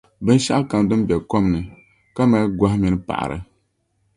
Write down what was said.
Binshɛɣukam din be kom ni ka mali gɔhi mini paɣiri.